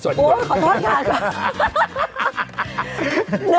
สวัสดีครับ